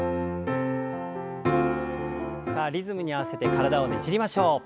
さあリズムに合わせて体をねじりましょう。